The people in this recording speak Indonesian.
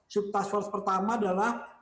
sub task force pertama adalah